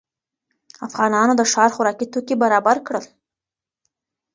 افغانانو د ښار خوراکي توکي برابر کړل.